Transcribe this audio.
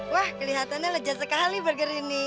wah kelihatannya lezat sekali burger ini